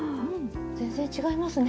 全然違いますね。